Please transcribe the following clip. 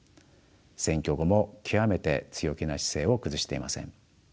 選挙後も極めて強気な姿勢を崩していません。